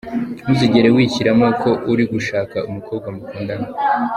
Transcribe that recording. Ntuzigere wishyiramo ko uri gushaka umukobwa mukundana.